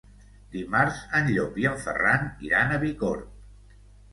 Dimarts en Llop i en Ferran iran a Bicorb.